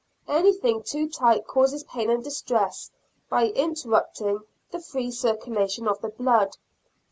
Anything too tight causes pain and distress by interrupting the free circulation of the blood.